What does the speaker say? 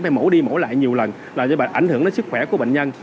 phải mổ đi mổ lại nhiều lần làm cho ảnh hưởng đến sức khỏe của bệnh nhân